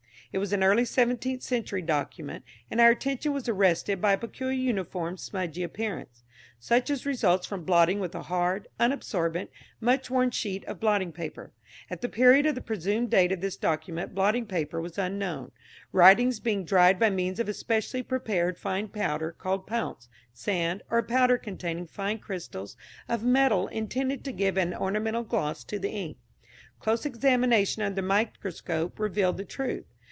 It was an early seventeenth century document, and our attention was arrested by a peculiar uniform smudgy appearance, such as results from blotting with a hard, unabsorbent, much worn sheet of blotting paper. At the period of the presumed date of this document blotting paper was unknown, writings being dried by means of a specially prepared fine powder called pounce, sand, or a powder containing fine crystals of metal intended to give an ornamental gloss to the ink. Close examination under the microscope revealed the truth.